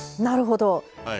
なるほど。